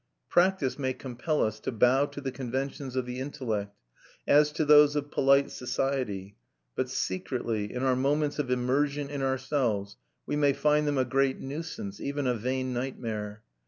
Practice may compel us to bow to the conventions of the intellect, as to those of polite society; but secretly, in our moments of immersion in ourselves, we may find them a great nuisance, even a vain nightmare.